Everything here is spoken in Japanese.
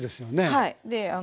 はい。